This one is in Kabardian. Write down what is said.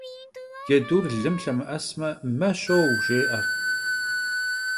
Cedur lım lhemı'esme «me şou» jjê'e.